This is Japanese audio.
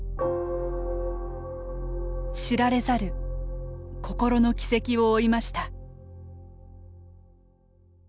知られざる心の軌跡を追いました。